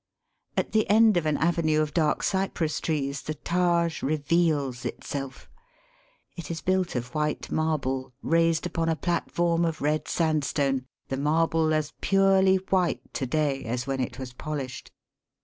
At the end of an avenue of dark cypress trees the Taj reveals itseK. It is built of white marble raised upon a platform of red sand stone, the, marble as purely white to day as when it was polished.